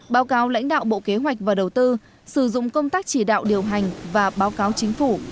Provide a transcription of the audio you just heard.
báo cáo lãnh đạo bộ kế hoạch và đầu tư sử dụng công tác chỉ đạo điều hành và báo cáo chính phủ